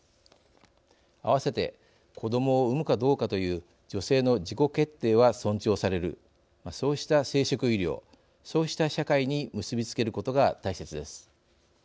合わせて子どもを産むかどうかという女性の自己決定は尊重されるそうした生殖医療そうした社会に結び付けることが大切です。